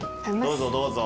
どうぞどうぞ。